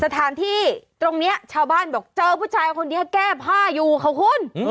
สถานที่ตรงนี้ชาวบ้านบอกเจอผู้ชายคนนี้แก้ผ้าอยู่ค่ะคุณ